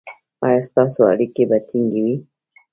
ایا ستاسو اړیکې به ټینګې وي؟